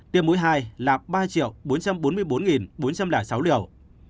tiêm mũi hai là ba bốn trăm bốn mươi bốn bốn trăm linh sáu liều